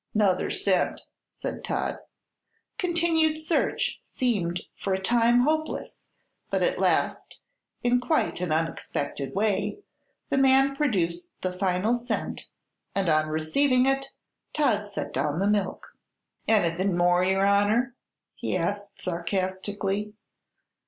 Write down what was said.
"'Nother cent," said Todd. Continued search seemed for a time hopeless, but at last, in quite an unexpected way, the man produced the final cent and on receiving it Todd set down the milk. "Anything more, yer honor?" he asked sarcastically.